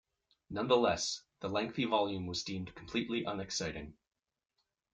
Nonetheless, the lengthy volume was deemed completely unexciting.